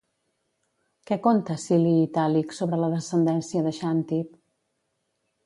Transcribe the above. Què conta Sili Itàlic sobre la descendència de Xàntip?